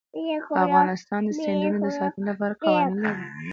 افغانستان د سیندونه د ساتنې لپاره قوانین لري.